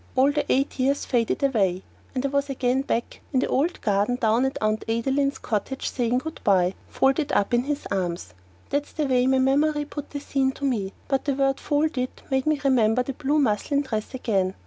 All the eight years faded away, and I was again back in the old garden down at Aunt Adeline's cottage saying good bye, folded up in his arms. That's the way my memory put the scene to me, but the word "folded" made me remember that blue muslin dress again.